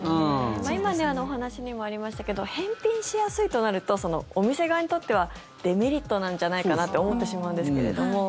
今、お話にもありましたけど返品しやすいとなるとお店側にとってはデメリットなんじゃないかなと思ってしまうんですけれども。